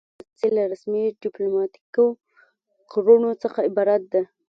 دا ډول ډیپلوماسي له رسمي ډیپلوماتیکو کړنو څخه عبارت ده